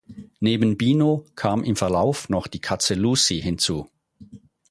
Neben Bino kam im Verlauf noch die Katze Lucy hinzu.